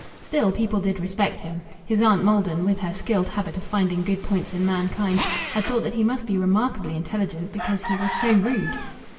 Still, people did respect him. His aunt Maldon, with her skilled habit of finding good points in mankind, had thought that he must be remarkably intelligent because he was so rude.